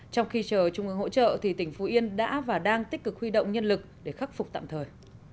trong khi chờ trung ương hỗ trợ thì tỉnh phú yên đã và đang tích cực huy động nhân lực để khắc phục tạm thời